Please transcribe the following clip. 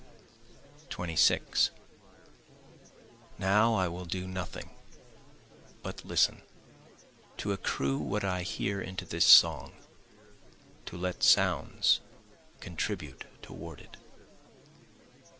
26 Now I will do nothing but listen, To accrue what I hear into this song, to let sounds contribute toward it.